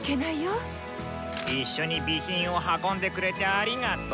一緒に備品を運んでくれてありがとう。